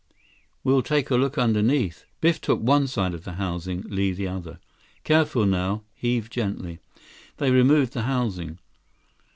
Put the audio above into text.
"We'll take a look underneath." Biff took one side of the housing, Li the other. "Careful now. Heave gently." They removed the housing.